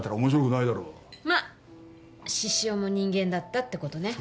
まあ獅子雄も人間だったってことね？